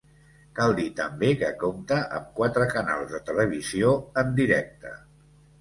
Cal dir també que compta amb quatre canals de televisió en directe.